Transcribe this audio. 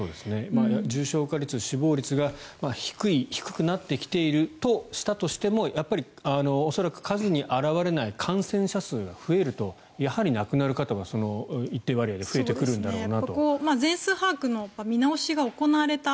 重症化率、死亡率が低い低くなってきているとしたとしてもやっぱり恐らく数に表れない感染者数が増えるとやはり亡くなる方は一定割合で増えてくるんだろうなと。